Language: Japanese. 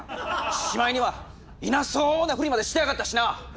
しまいにはいなそうなふりまでしてやがったしな！